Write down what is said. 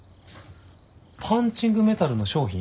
パンチングメタルの商品？